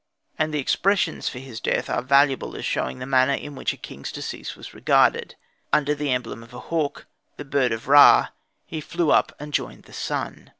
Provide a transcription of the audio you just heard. And the expressions for his death are valuable as showing the manner in which a king's decease was regarded; under the emblem of a hawk the bird of Ra he flew up and joined the sun.